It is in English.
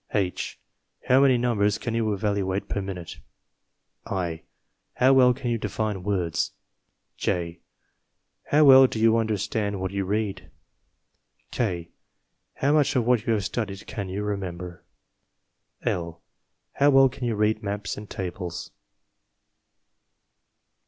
H. How many numbers can you evaluate per minute? /. How well can you define words? J. How Well Do You Understand What You Read? K. How much of what you have studied can you remember? L. How well can you read maps and tables?